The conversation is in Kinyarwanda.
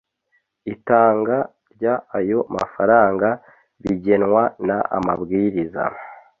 itanga ry ayo mafaranga bigenwa n amabwiriza